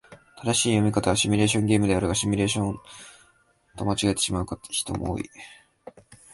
正しい読み方はシミュレーションゲームであるが、シュミレーションと間違えてしまう人も多い。